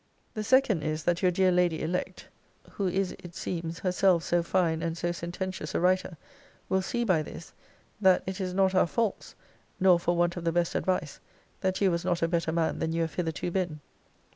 The second is, that your dear lady elect (who is it seems herself so fine and so sententious a writer) will see by this, that it is not our faults, nor for want of the best advice, that you was not a better man than you have hitherto been.